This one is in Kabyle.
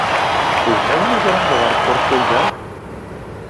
Tezhiḍ mi tṛuḥeḍ ɣer Puṛtugal?